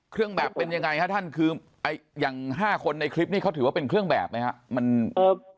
เครื่องแบบเป็นยังไงฮะท่านคืออย่าง๕คนในคลิปนี้เขาถือว่าเป็นเครื่องแบบไหมครับ